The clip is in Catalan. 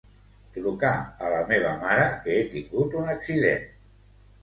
Trucar a la meva mare, que he tingut un accident.